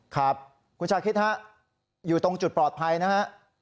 ครับคุณชาคิดฮะอยู่ตรงจุดปลอดภัยนะฮะ